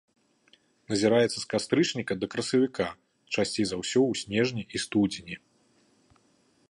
Назіраецца з кастрычніка да красавіка, часцей за ўсё ў снежні і студзені.